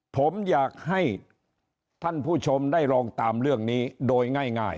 ผมอยากให้ท่านผู้ชมได้ลองตามเรื่องนี้โดยง่าย